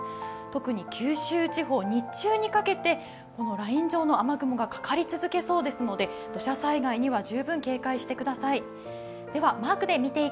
特に九州地方、日中にかけてライン状の雨雲がかかり続けそうなので、土砂災害には十分警戒してください。